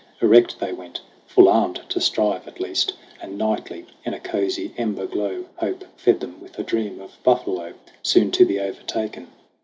Erect they went, full armed to strive, at least; And nightly in a cozy ember glow Hope fed them with a dream of buffalo Soon to be overtaken.